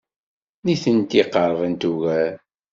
Nitenti qerbent ugar.